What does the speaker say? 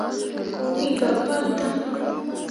Me koot wi gah pal daŋ.